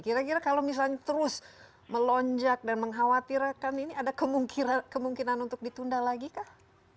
kira kira kalau misalnya terus melonjak dan mengkhawatirkan ini ada kemungkinan untuk ditunda lagi kah